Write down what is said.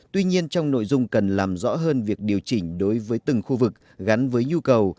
tuy nhiên trong nội dung cần làm rõ hơn việc điều chỉnh đối với từng khu vực gắn với nhu cầu